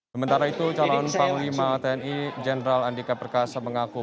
sementara itu calon panglima tni jenderal andika perkasa mengaku